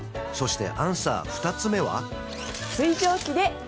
そしてアンサー二つ目は？